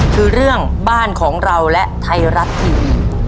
คือเรื่องบ้านของเราและไทยรัฐทีวี